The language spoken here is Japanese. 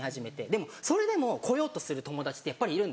でもそれでも来ようとする友達ってやっぱりいるんですよ。